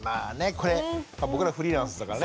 これ僕らフリーランスだからね。